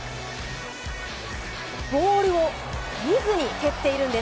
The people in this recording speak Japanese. ボールを見ずに蹴っているんです！